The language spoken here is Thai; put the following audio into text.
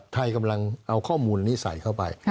ไทยกำลังเอาข้อมูลนิสัยเข้าไป